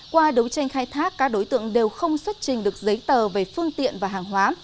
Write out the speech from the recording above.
qua đấu tranh khai thác các đối tượng đều không xuất trình được giấy tờ về phương tiện và hàng hóa